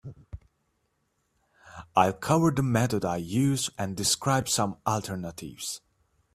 I'll cover the method I use and describe some alternatives.